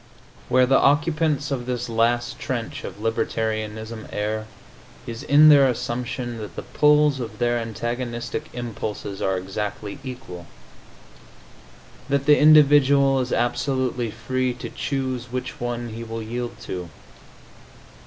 Where the occupants of this last trench of libertarianism err is in their assumption that the pulls of their antagonistic impulses are exactly equal that the individual is absolutely free to choose which one he will yield to.